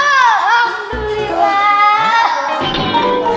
oh amri wah